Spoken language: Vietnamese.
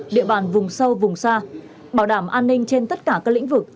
địa bàn vùng sâu vùng xa bảo đảm an ninh trên tất cả các lĩnh vực